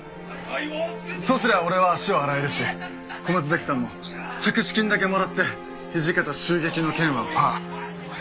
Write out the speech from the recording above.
そうすりゃ俺は足を洗えるし小松崎さんも着手金だけもらって土方襲撃の件はパー。